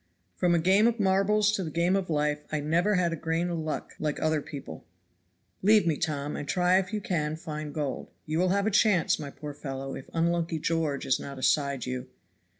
From a game of marbles to the game of life I never had a grain of luck like other people. Leave me, Tom, and try if you can find gold; you will have a chance, my poor fellow, if unlucky George is not aside you."